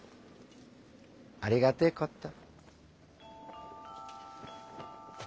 ありがてえこった。